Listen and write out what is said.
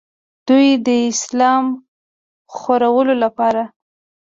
دوي د اسلام خورولو دپاره